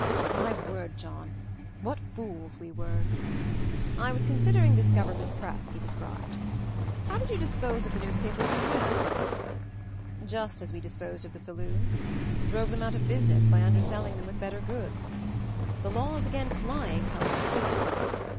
My word, John, what fools we were!" I was considering this Government Press MOVING THE MOUNTAIN 235 he described. "How did you dispose of the newspapers you had?" "Just as we disposed of the saloons; drove them out of business by underselling them with better goods. The laws against lying helped too."